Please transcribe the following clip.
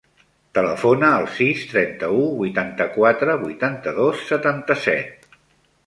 Telefona al sis, trenta-u, vuitanta-quatre, vuitanta-dos, setanta-set.